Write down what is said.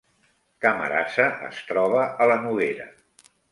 Camarasa es troba a la Noguera